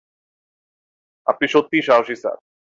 আপনি সত্যিই সাহসী, স্যার।